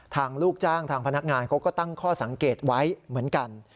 ลูกจ้างทางพนักงานเขาก็ตั้งข้อสังเกตไว้เหมือนกัน